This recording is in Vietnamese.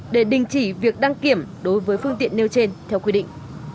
để đình chỉ việc đăng kiểm đối với phương tiện nêu trên theo quy định